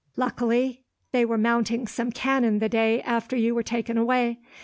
Luckily, they were mounting some cannon the day after you were taken away.